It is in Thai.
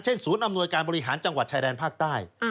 ศูนย์อำนวยการบริหารจังหวัดชายแดนภาคใต้